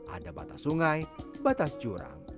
ada batas sungai batas jurang